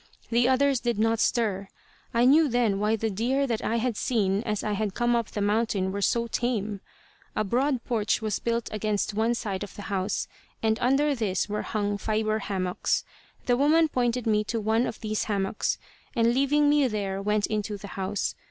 The others did not stir. I knew then why the deer that I had seen as I had come up the mountain were so tame. A broad porch was built against one side of the house, and under this were hung fibre hammocks. The woman pointed me to one of these hammocks, and leaving me there went into the house.